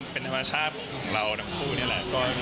เป็นธรรมชาติของเราทั้งคู่นี่แหละ